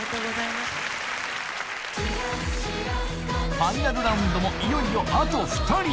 ファイナルラウンドもいよいよあと２人